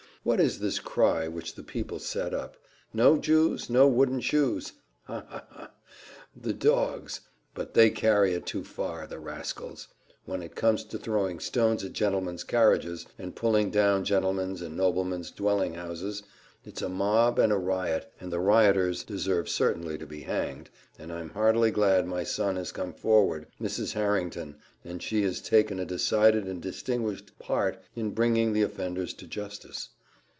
What is this cry which the people set up? 'No Jews! no wooden shoes!' ha! ha! ha! the dogs! but they carried it too far, the rascals! When it comes to throwing stones at gentlemen's carriages, and pulling down gentlemen's and noblemen's dwelling houses, it's a mob and a riot, and the rioters deserve certainly to be hanged and I'm heartily glad my son has come forward, Mrs. Harrington, and has taken a decided and distinguished part in bringing the offenders to justice.